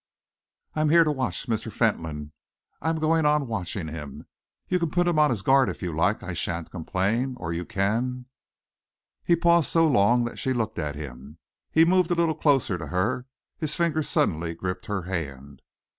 I am here to watch Mr. Fentolin. I am going on watching him. You can put him on his guard, if you like; I shan't complain. Or you can " He paused so long that she looked at him. He moved a little closer to her, his fingers suddenly gripped her hand.